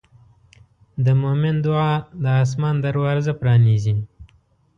د مؤمن دعا د آسمان دروازه پرانیزي.